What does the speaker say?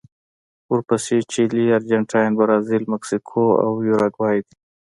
ورپسې چیلي، ارجنټاین، برازیل، مکسیکو او یوروګوای دي.